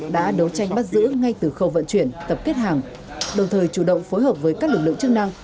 đã đấu tranh bắt giữ ngay từ khâu vận chuyển tập kết hàng đồng thời chủ động phối hợp với các lực lượng chức năng